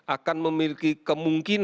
akan memiliki kemungkinan